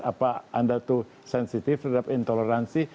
apa anda tuh sensitif terhadap intoleransi